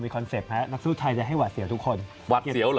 คอนเซ็ปต์นักสู้ไทยจะให้หวัดเสียวทุกคนหวัดเสียวเหรอ